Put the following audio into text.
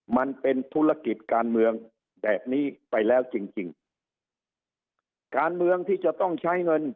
มันเป็นธุรกิจการเมืองแบบนี้ไปแล้วจริงจริงการเมืองที่จะต้องใช้เงิน